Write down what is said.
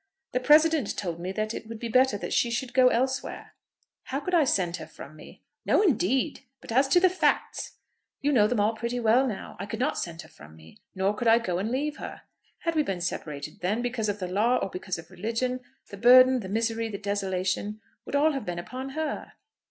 "The President told me that it would be better that she should go elsewhere. How could I send her from me?" "No, indeed; but as to the facts?" "You know them all pretty well now. I could not send her from me. Nor could I go and leave her. Had we been separated then, because of the law or because of religion, the burden, the misery, the desolation, would all have been upon her."